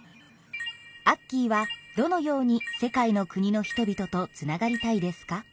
アッキーはどのように世界の国の人々とつながりたいですか？